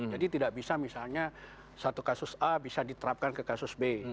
jadi tidak bisa misalnya satu kasus a bisa diterapkan ke kasus b